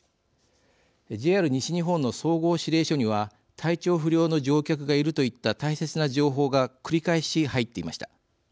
ＪＲ西日本の総合指令所には体調不良の乗客がいるといった大切な情報が繰り返し入っていました。